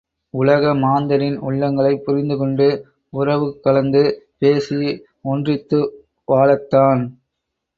உலக மாந்தரின் உள்ளங்களைப் புரிந்து கொண்டு, உறவு கலந்து பேசி ஒன்றித்து வாழத்தான்!